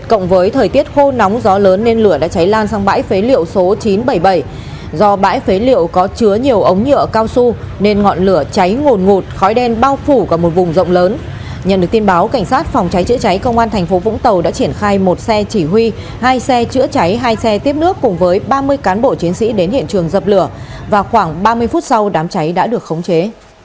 cảnh sát phòng cháy chữa cháy công an tp vũng tàu đã triển khai một xe chỉ huy hai xe chữa cháy hai xe tiếp nước cùng với ba mươi cán bộ chiến sĩ đến hiện trường dập lửa và khoảng ba mươi phút sau đám cháy đã được khống chế